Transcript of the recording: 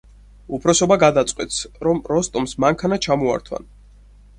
უფროსობა გადაწყვეტს, რომ როსტომს მანქანა ჩამოართვან.